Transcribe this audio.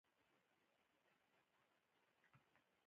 پۀ سړک چې لږ مخکښې لاړو نو